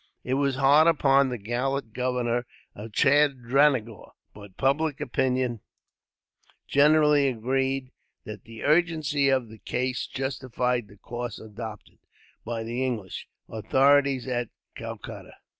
It was hard upon the gallant governor of Chandranagore, but public opinion generally agreed that the urgency of the case justified the course adopted by the English authorities at Calcutta.